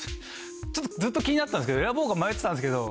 ずっと気になってたんですけど選ぼうか迷ってたんですけど。